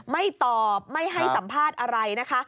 ไม่ตอบไม่ให้สัมภาษณ์อะไรนะคะ